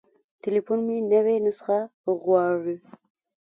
تليفون مې نوې نسخه غواړي.